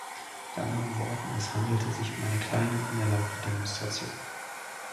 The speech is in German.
Mit anderen Worten, es handelte sich um eine kleine, unerlaubte Demonstration.